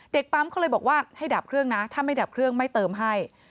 ปั๊มเขาเลยบอกว่าให้ดับเครื่องนะถ้าไม่ดับเครื่องไม่เติมให้